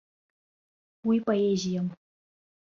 Уи поезиам.